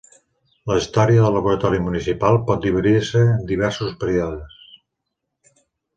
La història del Laboratori Municipal pot dividir-se en diversos períodes.